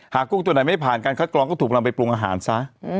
กุ้งตัวไหนไม่ผ่านการคัดกรองก็ถูกนำไปปรุงอาหารซะ